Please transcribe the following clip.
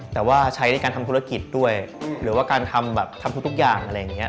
แต่ว่าใช้ในการทำธุรกิจด้วยหรือว่าการทำแบบทำทุกอย่างอะไรอย่างนี้